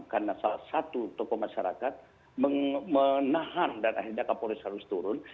karena salah satu toko masyarakat menahan dan akhirnya kepolis harus turun